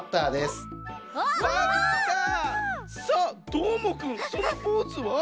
さあどーもくんそのポーズは？